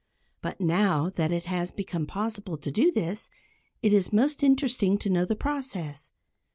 But now that it has become possible to do this, it is most interesting to know the process.